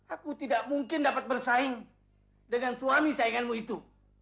aku tidak mungkin dapat bersaing dengan suami sainganmu itu